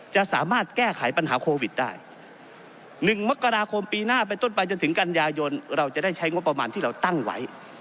จะสามารถแก้ไขปัญหาโควิดได้๑มกราคมปีหน้าไปต้นไปจนถึงกันยายนเราจะได้ใช้งบประมาณที่เราตั้งไว้